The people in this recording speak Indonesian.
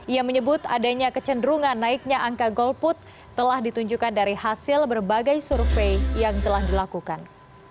ia menyebut adanya kecenderungan naiknya angka golput telah ditunjukkan dari hasil berbagai survei yang telah dilakukan